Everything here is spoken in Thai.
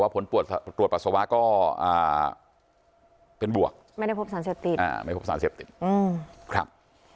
เป็นบวกไม่ได้พบสารเสียบติดครับ